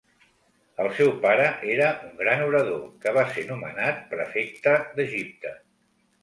El seu pare era un gran orador, que va ser nomenat prefecte d'Egipte.